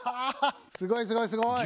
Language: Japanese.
すごいすごいすごい。